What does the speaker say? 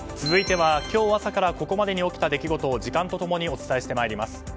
続いては今日朝からここまでに起きた出来事を時間と共にお伝えしてまいります。